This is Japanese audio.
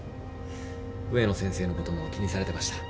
植野先生のことも気にされてました。